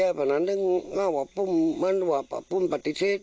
เรานั้นมันแห่งพุมปฏิเสธ